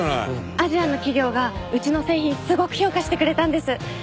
アジアの企業がうちの製品すごく評価してくれたんです。